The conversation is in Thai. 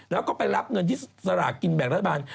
แล้วก็ไปรับเงินที่สลากกินแบ่งรัฐบาล